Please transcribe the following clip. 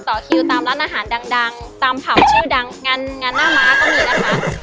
ต่อคิวตามร้านอาหารดังตามเผาชื่อดังงานหน้าม้าก็มีนะคะ